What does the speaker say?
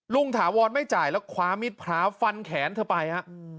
ถาวรไม่จ่ายแล้วคว้ามิดพระฟันแขนเธอไปฮะ